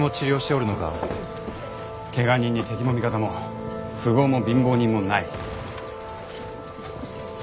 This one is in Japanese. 怪我人に敵も味方も富豪も貧乏人もない。